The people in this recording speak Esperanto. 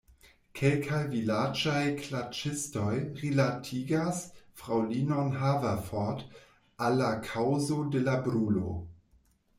Kelkaj vilaĝaj klaĉistoj rilatigas fraŭlinon Haverford al la kaŭzo de la brulo.